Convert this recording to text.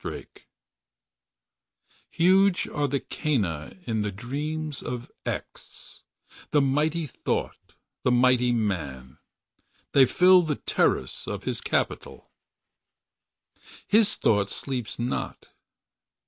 pdf Huge are the canna in the dreams of X, the mighty thought, the mighty man. They fill the terrace of his capitol . His thought sleeps not.